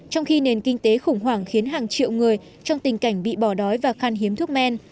trong khi nền kinh tế khủng hoảng khiến hàng triệu người trong tình cảnh bị bỏ đói và khan hiếm thuốc men